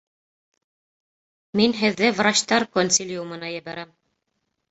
Мин һеҙҙе врачтар консилиумына ебәрәм